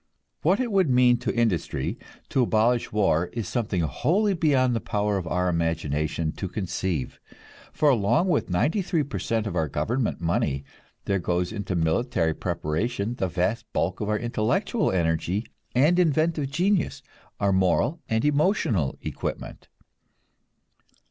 What it would mean to industry to abolish war is something wholly beyond the power of our imagination to conceive; for along with ninety three per cent of our government money there goes into military preparation the vast bulk of our intellectual energy and inventive genius, our moral and emotional equipment.